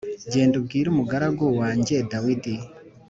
“Genda ubwire umugaragu wanjye Dawidi